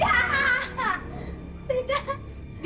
jangan bodoh di pinggir kamu sendiri